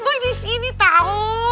boy di sini tau